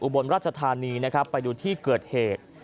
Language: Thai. อุบลราชทานีไปดูที่เกิดเหตุ